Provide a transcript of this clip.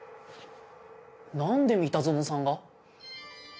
なんで三田園さんが？